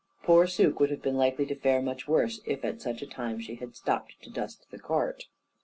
Poor Suke would have been likely to fare much worse, if, at such a time, she had stopped to dust the cart.